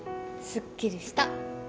すっきりした。